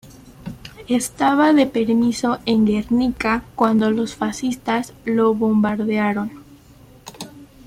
Estaba de permiso en Guernica cuando los fascistas lo bombardearon.